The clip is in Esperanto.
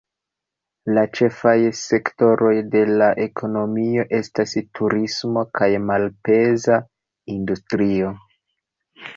La ĉefaj sektoroj de la ekonomio estas turismo kaj malpeza industrio.